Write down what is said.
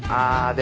で